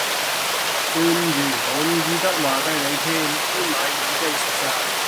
對唔住，我唔記得話俾你聽啲米已經食曬